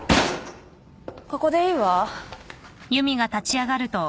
ここでいいわ。